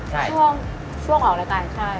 ใช่ช่วงช่วงของรายการใช่